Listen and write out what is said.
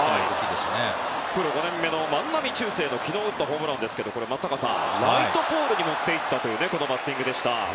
プロ５年目の万波中正の昨日打ったホームランですがライトポールに持っていったこのバッティングでした。